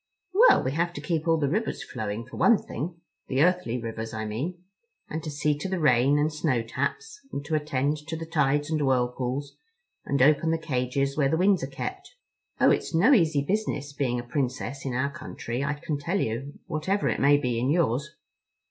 "Well, we have to keep all the rivers flowing, for one thing—the earthly rivers, I mean—and to see to the rain and snow taps, and to attend to the tides and whirlpools, and open the cages where the winds are kept. Oh, it's no easy business being a Princess in our country, I can tell you, whatever it may be in yours.